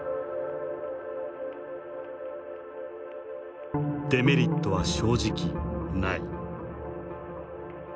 デメリットは正直ない。